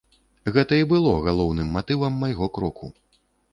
Гэта і было галоўным матывам майго кроку.